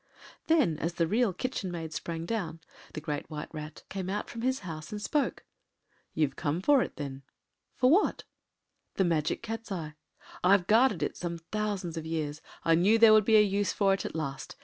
Then, as the Real Kitchen Maid sprang down, the Great White Rat came out from his house and spoke. “You’ve come for it, then?” “For what?” “The Magic Cat’s eye. I’ve guarded it some thousands of years. I knew there would be a use for it at last.